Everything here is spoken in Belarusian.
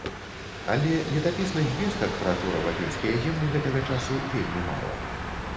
Але летапісных звестак пра турава-пінскія землі гэтага часу вельмі мала.